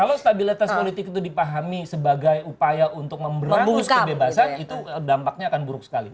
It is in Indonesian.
kalau stabilitas politik itu dipahami sebagai upaya untuk memberangus kebebasan itu dampaknya akan buruk sekali